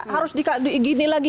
harus digini lagi